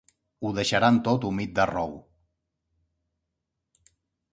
Ho deixaran tot humit de rou.